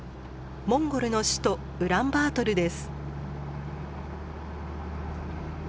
モンゴルの首都ウランバートルです。